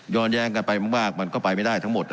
ยอดแยงกันไปมากต่อไปไม่ได้ทั้งหมดครับ